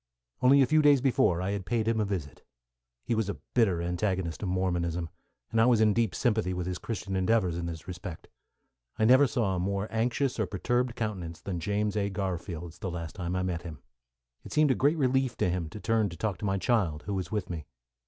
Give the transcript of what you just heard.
Only a few days before, I had paid him a visit. He was a bitter antagonist of Mormonism, and I was in deep sympathy with his Christian endeavours in this respect. I never saw a more anxious or perturbed countenance than James A. Garfield's, the last time I met him. It seemed a great relief to him to turn to talk to my child, who was with me.